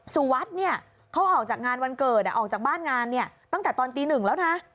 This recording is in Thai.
สุวัสดิ์เนี่ยเขาออกจากงานวันเกิดออกจากบ้านงานตั้งแต่ตอนตีหนึ่งแล้วนะ